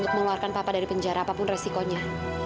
mengeluarkan papa dari penjara apapun resikonya